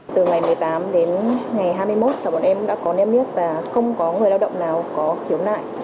từ ngày một mươi tám đến ngày hai mươi một là bọn em đã có niêm yết và không có người lao động nào có khiếu nại